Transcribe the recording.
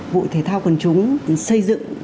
vụ thể thao quần chúng xây dựng